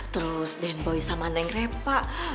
terus denboy sama neng repa